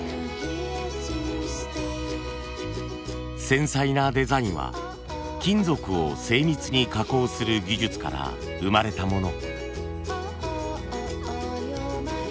繊細なデザインは金属を精密に加工する技術から生まれたもの。